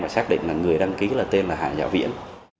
và xác định là người đăng ký là tên là hà giám viễn